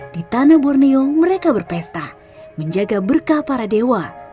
di tanah borneo mereka berpesta menjaga berkah para dewa